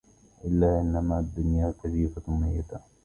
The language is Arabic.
ألا إنما الدنيا كجيفة ميتة